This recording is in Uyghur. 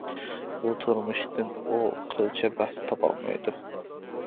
بۇ تۇرمۇشتىن ئۇ قىلچە بەخت تاپالمايدۇ.